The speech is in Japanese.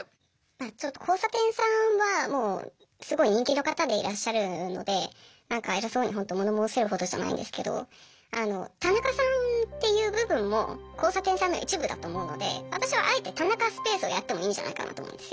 ちょっと交差点さんはもうすごい人気の方でいらっしゃるのでなんか偉そうにほんと物申せるほどじゃないんですけど田中さんっていう部分も交差点さんの一部だと思うので私はあえて田中スペースをやってもいいんじゃないかなと思うんですよ。